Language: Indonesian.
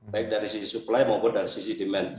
baik dari sisi supply maupun dari sisi demand